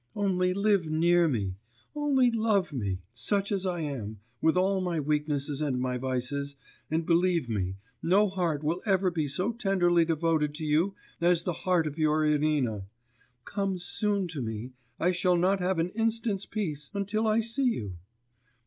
only live near me, only love me; such as I am, with all my weaknesses and my vices, and believe me, no heart will ever be so tenderly devoted to you as the heart of your Irina. Come soon to me, I shall not have an instant's peace until I see you.